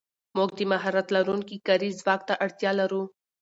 موږ د مهارت لرونکي کاري ځواک ته اړتیا لرو.